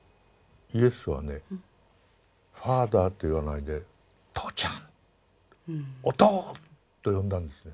イエスはねファーザーと言わないで「とうちゃん」「おとう」と呼んだんですね。